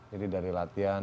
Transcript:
jadi dari latihan